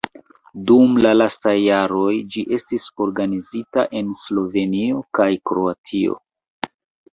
Dum la lastaj jaroj ĝi estis organizita en Slovenio kaj Kroatio.